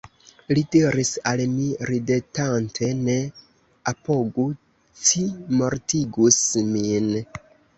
Li diris al mi ridetante: «Ne apogu, ci mortigus min».